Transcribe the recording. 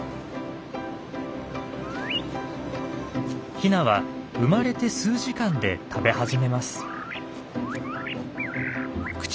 ヒナは生まれて数時間で食べ始めます。